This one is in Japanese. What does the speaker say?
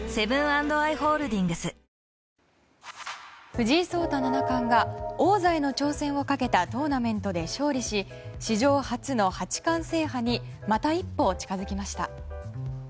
藤井聡太七冠が王座への挑戦をかけたトーナメントで勝利し史上初の八冠制覇にまた一歩近づきました。